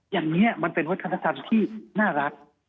อย่างนี้มันเป็นวัฒนธรรมที่น่ารัก